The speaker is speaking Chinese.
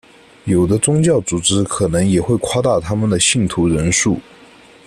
有的宗教组织可能也会夸大他们的信徒人数。